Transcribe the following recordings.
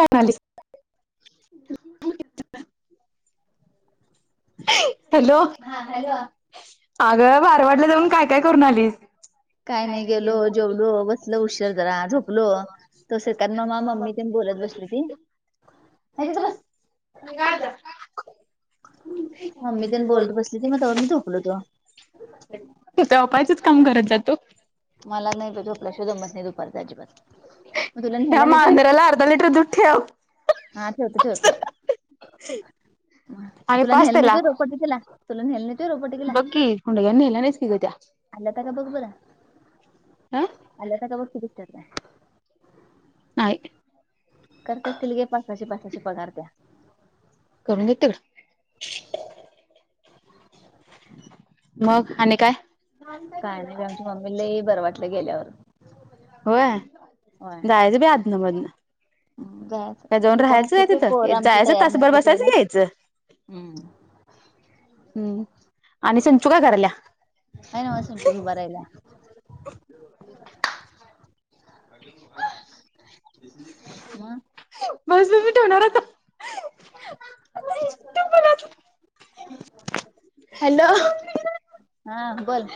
काय म्हणालीस अ हॅलोॅ अगं बारवाडला जाऊन काय काय करून आलीस काही नाही गेलो जेवलो बसलो उशीर जरा झोपलो, मग श्रीकांत मामा मग मम्मी त्याने बोलत बसली होती तिथंच बस मम्मी तीन बोलत बसली होती म्हणून जरा झोपले जाऊन झोपायचं काम करत जातो मला ना झोपले काय जमत नाही दुपारचा अजिबात मग तुला या न्ह्यायला मांजराला अर्धा लिटर नेतोय दूध ठेव हा ठेवतो ठेवतोय आणि तुला पाच नेल नेत रोकट तिला तुला नेलं नाही बकी उंडगया नेल्या नाहीत की ग त्या आल्या होत्या का आल्यात की बघते त्या दिसत्यात त्या नाही करत असतील गे पाचशे सहाशे पगार त्या करू देत तिकडं मग आणि काय काय नाहीी आमच्या मम्मीलाही बरं वाटलं गेल्यावर होय होय जायचं बाई अदन मदन जायचं कोण नसते आमचे पोरं तिथं आमची जायचं तयार तासभर नसतात बसायचं यायला की यायचं हम्म हम्म आणि संचू काय करायल्या हाय नव संचू उभा राहिल्या मग बस ब हॅलो हा बोल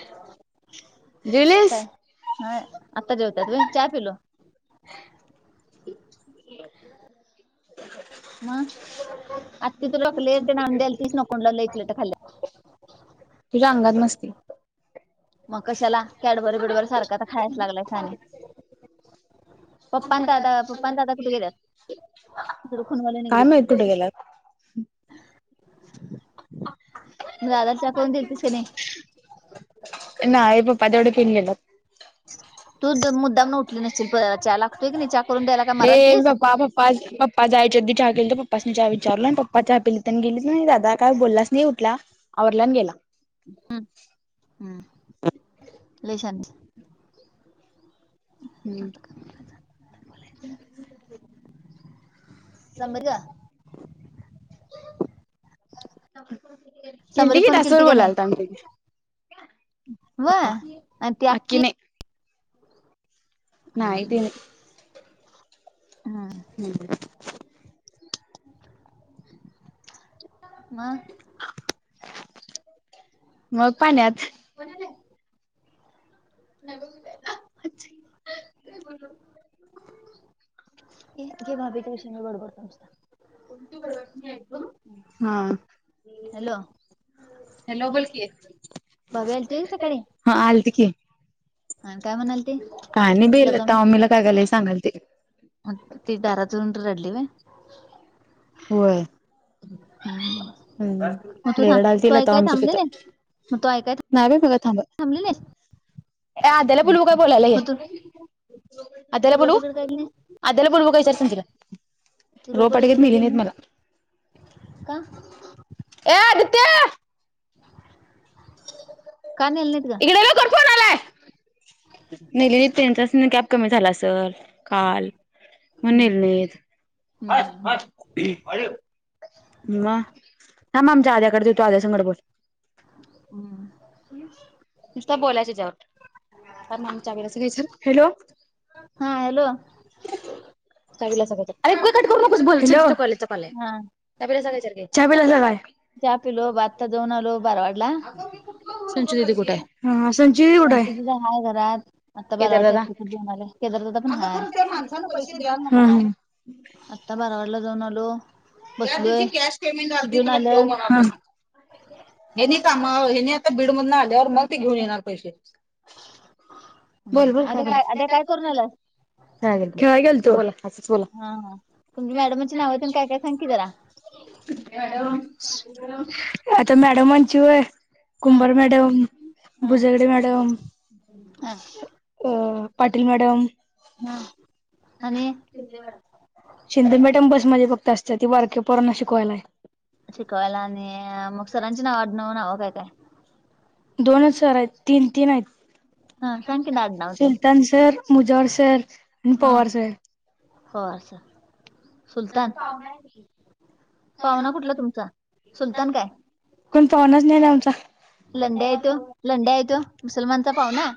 काय जेवलीस आता जेवत्यात होय चहा पिलो [inaudible] मग आज तिथु रकले ना द्याला तीच नकों ल ल इकल खा तुझ्या अंगात मस्ती मग कशाला कॅडबरी बिडबरी सारखा तर खायच लागलाय पप्पा दादा पप्पा आणी दादा कुठ गेल्यात डखूनवाला काय निघडीत माहित कुठे गेलात [inaudible] गावात साखर दीलतीस का नाही नाय पप्पा तेवढे फीरून येत्यात ह [inaudible] लागतोय कणी चहा करून द्यायला काय एम मरालतीस पप्पा पपा पप्पा जायच्या अधी चहा केली तर प्पसनी चहा विचारलो आणि पप्पा चहा पली त्यां गेली नाही दादा काय बोललाच नाही उठला. आवरला आणि गेला. हम् हम् लई शहाणी [unintelligible] [inaudible] संबर का किंद समरी की फोन दासर केलती कणी बोलालताम टिके व्हय हो आणि ती आक्की आणखीन ना यत हम्म ना हम्म हम्म [unintelligible] म अ मग पाण्यात [unintelligible] [inaudible] [unintelligible] [inaudible] [unintelligible] [inaudible] हा हॅलो बघायला आल्ती होई ग सकाळी? हा आलती की आणि काय म्हणालती काय नाही बाई येतोय म्हणुन लता मम्मीला काय काय लय सांगलती म ती दारातुन येउन रडली होय होय. मग हम् तू लय थांब रडालती तू ऐकाय आमच्या थांबली हीत नाही मग तू ऐकाय नाही बाई सगळ सांगत, थांबली नाहीस ये आदयाला बोलवू काय बोलायला ये मग तू अद्याला तू बोलवू? रोपडीकडे काय गेली नाहीस अद्याला बोलवू काय विचार तीली तू रोपडीकडे काय गेली तर मला नाहीस का ए अदीत्य का नेली नाहीत ग इकडे ये लवकर फोन आलाय नीली ट्रेनचाच कॅब कमी झाला असल काल म्हणुन नेली नाहीत मग, थांब आमच्या आदयाकड देतो आदया संगट बोल [unintelligible] [inaudible] नुसत बोलायच हेच्यावर हॅलो हा हॅलो. चला सगायच अरे कट करून नको बोलय च काॅल हाय हा चहा पीलासा काय विचार की, चहा पिलासा काय जाऊंन आलो बारवाडला हा संचित कुठं त आहे घरात आता बारवाडच्या आत्ती कड जाऊन आलो. केदारदा पण माणसान पैसे द्या नको काय आता बारावाडला जाऊन आलो बसलोय जेऊन आलं [unintelligible] [inaudible] हेनी कामावर, हेनी आता बीडमधून आल्यावर मग ते घेऊन येणार पैसे अरे काय अरे काय करून आलास [unintelligible] [inaudible] हा हा, तुमच्या मॅडमांची नाव तेन काय काय सांग की जरा आता मॅडमांची होई हा कुंभार मॅडम, हा भुजरडी मॅडम ह हा [unintelligible] अ पाटील मॅडम हा आणि शिंदे मॅडम बस मध्ये असत्या, फक्त ती बारक्या पोराना शिकवायला आहे. शिकवायला आणि मग सरांची नाव आडणव नावं काय काय. दोनच सर आहेत तीन तीन हा सांग की आहेत आडनाव तेन सुलतान सर. मुजर सर आणि हा पवार सर. पवार सर सुलतान. पाहुना कुठला तुमचा सुलतान काय. कोण पाहुणाच नाही ना आमचा लंड्या येतो लंड्या येतो मुसलमानचा पाव ना.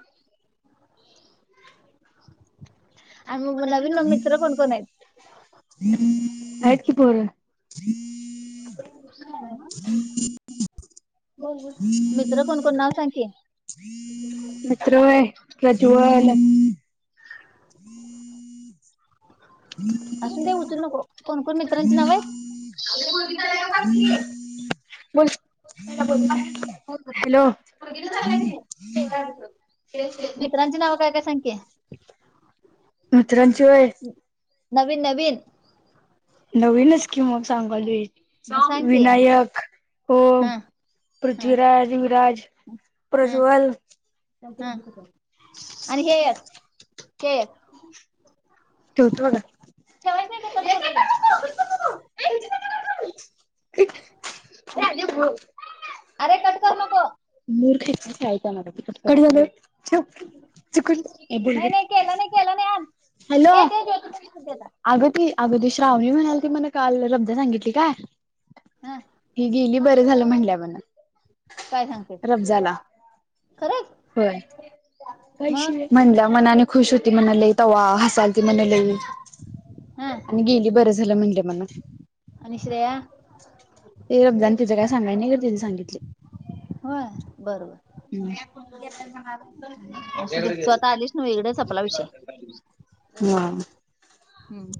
आणि म नवीन म मित्र कोण कोण हाईत. हायत की पोर. बोल मित्र कोण कोण नाव सांग. मित्र होई प्रज्वल हम्म. अून ते उचल नको कोण मित्रांची नाव आहे. म [unintelligible] ह [unintelligible] झा कि मित्रांचे नाव काय काय सांगतीया. मत्रांची वय. नवीन नवीन नवीनच किम म मग सांग सांग की. विनायक ओम. हं हं पृथ्वीराज विराज हं प्रज्वल. हं आणि हे हे एक हे. ठेवतो आता. ठेवायचं नाही ते कट करू नको. [unintelligible] अरे क कट करू नको. मू [unintelligible] [unintelligible] हॅलो. ए दे ज्योती मम्मी दे आता. अगदी अगदी श्रावणी म्हणाल ती मला काल रब्द सांगितली काय. हं ही गेली बरं झालं म्हंटल्या म्हणा. काय सांगते? रबजाला खरंच? होय पैशे. मग म्हणल्या मनाने खुश होती म्हणा लई त वा हसाल म्हणे लई. हं आणि गेली बरं झालं म्हणले मणा. आणि श्रेया. ते रब्द आणि तिं काय सांगाय नाही का तिने सांगितली. होय बरोबर. असू दे तू आता आलीस ना इकडे संपला विषय. [unintelligible] हम्म. हम्म.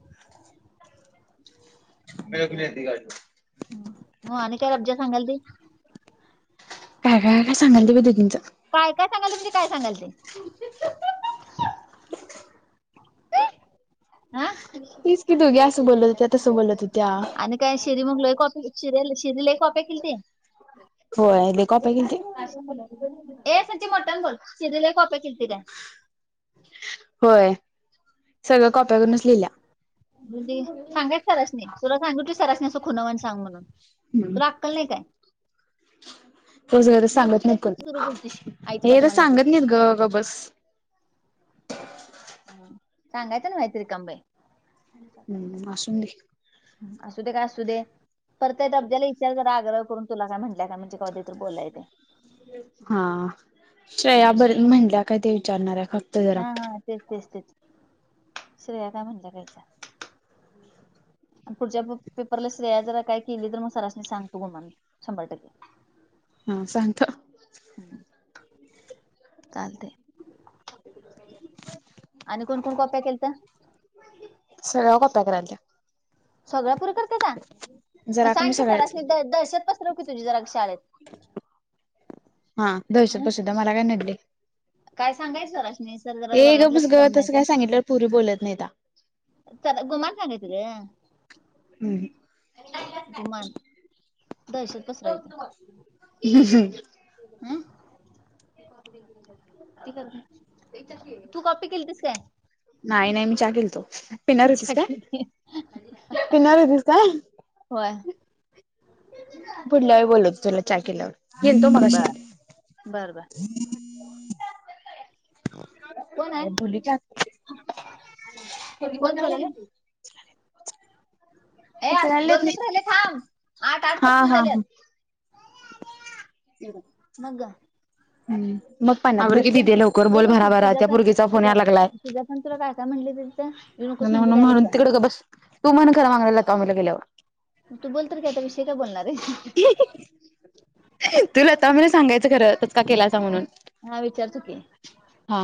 मग आणि काय रब्जा सांगाल ते [unintelligible] काय काय काय सांगाल ते ब ते तचं. काय काय सांगाल तुमजे काय सांगाल ते. [unintelligible] तीच की दोघी असं बोलत होत्या तसं बोलत होत्या आणि काय शिरीमुगल कॉप शर शिरीला कॉपी केलती. [unintelligible] होय ए संचे मोठ्यानं बोल शिरी लय कॉप्या केली ते काय सगळ्या कॉप्या करूनच लिहिल्या. सांगा सररासनी तुला सांग त सरसनी असं खुनावणी सांग म्हणून तुला आक्कल नाही काय तोज ग तर सांगत नाही कोण सुरू बोलतीस की आईच्या हे तर पाठमाने येते सांगत नाहीत ग गप्प बस. सांगायचं आणि व्हायचं रिकाम बाई. हम्म असून दे असू दे काय असू दे परतयेत अबजाला. ज आग्रह करून तुला काय म्हटलंय का म्हणजे कधी बोलाय ते. हा श्रेयाबर म्हटल्या काय ते विचारणार आहे का. हा हा तेच तेच तेच श्रेया काय म्हणत्या काय विचार. पुढच्या पेपरला श्रेया जरा काय केली तर मग सरासनी सांगतो म्हणा. शंभर टक्के. हा. [unintelligible] हम्म चालते. [inaudible] आणि कोण कोण कोप्या केलत. सगळ्या कोप्या करायल्त्या. सगळ्या पोरी करता सा मग जरा सांग कमी की सगळ्याच सरासनी द दहशत पसरव की तुझी जरा शाळेत. हा दहशत हं? पश्चात मला काय येत नाही ते. काय सांगायचं सांगायच सरासनी सर जरा हे वर्गात गप्प बस लक्ष द्या गं तसं काय म्हणायचं सांगितलंवर पोरी बोलत नाहीता. च गुमान सांगायचं ग. हम् मान दहशत पसरायच अम ती करत नाही तू कॉपी केलतीस काय? नाही नाही मी चहा केल तो पिणार होतीस काय पिणार होतीस काय? होय. पुढल्या वेळी बोलतो तुला चहा केल्यावर येतो मगाशी बर बर बर कोण बोलू की आता आहे कोण बोलालय? ए अस- दोन मिनिट राहिले थांब आठ आठ हा पस्तीस हा ह. झाल्यात मग ग. [inaudible] ह मग पनना आवर म्हणजे की ते दिेदे लवकर होय बोल गं, सु- भराभरा त्या सुजाता मुलगी चा फोन सुजा यायला लागलाय. सुजाता तुला काय काय [unintelligible] म्ह डायरेक्ट म्हणून जा. तिकडं बस तू म्हण खर मागन लता मामीला गेल्यावर तू बोलत काय तर विषय काय बोलणार आहे? तु लता मामीला सांगायचं खरं पचका केलासा म्हणून. हा विचारतो की. हा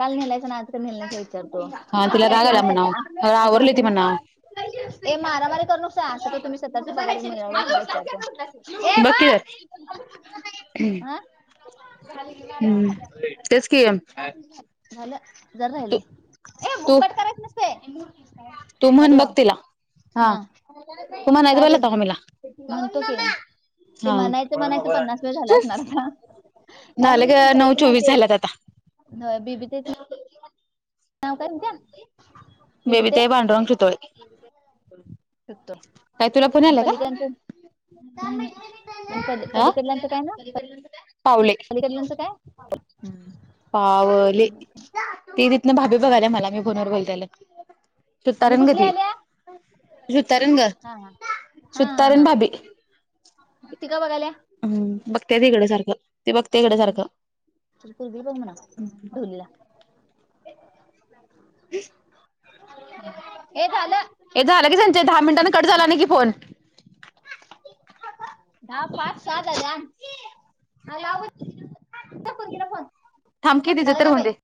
काल नेलायसा आणि आज का नेला नाहीसा विचारतो हा तिला राग आला म्हणाव असं का तुम्ही असं काय आवरली ती म्हणाव. तुम्ही ते मारा मारी करु नकोसा. तुम्ही स्वतःचा पगार [unintelligible] हम् हा हा. हम्म तेच की. झाल जरा राहिलय. हे तू हुंकट करायच नसते तू म्हण हॅलो बघ तिला हा तू म्हणायचं काय बघ ब लता मम्मीला म्हणतो की ते हा. म्हणायचं म्हणायचं पन्नास वेळ झाल असणार आता. काय झालं म्हणली ग आईच नऊ तुमच्या चोवीस झाल्यात आता नाव ते बीबी ताई. [inaudible] नाव काय म्हणत्यां बेबी ताई पांडूरंग शितोळे. सुतो. काय तुला फोन आणि आलाय काय? पलीकडचं नाही नाही आणि पली आ पावले ल्याचं काय? पावले ते तिथन भाभी हा बघाल्या मला मी फोनवर बोलत्याल. आणि कुठली आल्या? सुतारीन ग हा हा. हा हा सुतारीण हा. भाभी ती का बघायलीया? हम्म बघते तिकडे सारखं ते बघते इकडे सारखं. तुझा पोरगीला बग म्हणावं. [inaudible] लीला [inaudible] हे झालं. हे झालं की संचे दहा मिनिटांने कट झाला नाही कि फोन. दहा पाच सहा झाल्या आई लाव पोरगीला फोन थांब की तिचं झाल तर काय होऊन दे. बाई?